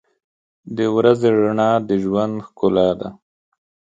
• د ورځې رڼا د ژوند ښکلا ده.